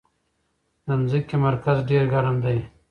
د ځمکې مرکز ډېر ګرم دی.